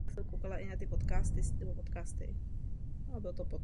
Kritickým bodem konstrukce bývala absence tendru.